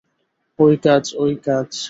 ঐ কাজ, ঐ কাজ।